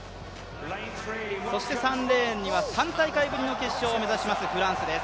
３レーンには３大会ぶりの決勝を目指しますフランスです。